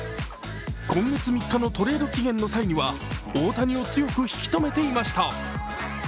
今月３日のトレード期限の際には大谷を強く引き止めていました。